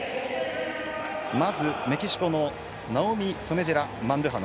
まず、メキシコのナオミ・ソメジェラマンドゥハノ。